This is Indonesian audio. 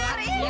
ini dia nek